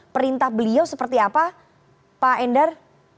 perintah beliau seperti apa pak endar